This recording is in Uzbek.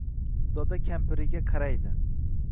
Doda kampiriga qaraydi